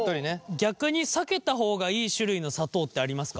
逆に避けた方がいい種類の砂糖ってありますか？